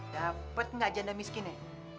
dapet gak janda miskin ya